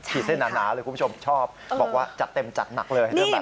เส้นหนาเลยคุณผู้ชมชอบบอกว่าจัดเต็มจัดหนักเลย